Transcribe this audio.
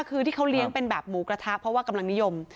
คือที่เขาเลี้ยงเป็นแบบหมูกระทะเพราะว่ากำลังนิยม